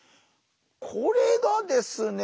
これがですね